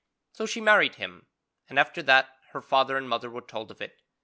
So she married him, and after that her father and mother were told of it.